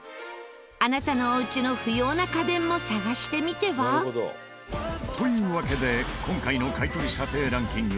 あなたのお家の不要な家電も探してみては？というわけで今回の買取査定ランキング